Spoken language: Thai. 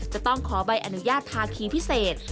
จะต้องขอใบอนุญาตภาคีพิเศษ